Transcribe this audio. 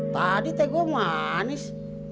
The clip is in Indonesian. tadi teh gue manis